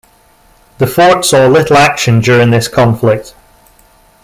The fort saw little action during this conflict.